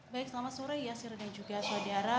baik selamat sore yasir dan juga saudara